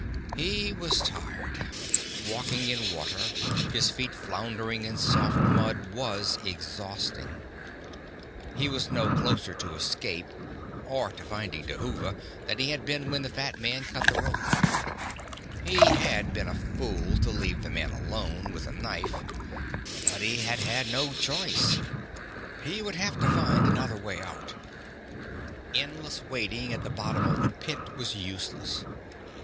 He was tired. Walking in water, his feet floundering in soft mud, was exhausting. He was no closer to escape, or to finding Dhuva, than he had been when the fat man cut the rope. He had been a fool to leave the man alone, with a knife ... but he had had no choice. He would have to find another way out. Endlessly wading at the bottom of the pit was useless.